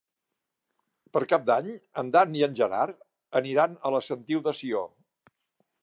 Per Cap d'Any en Dan i en Gerard aniran a la Sentiu de Sió.